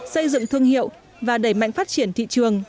xây dựng thương hiệu và đẩy mạnh phát triển thị trường